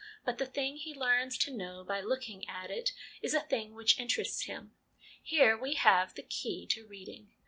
But the thing he learns to know by look ing at it, is a thing which interests him. Here we have the key to reading.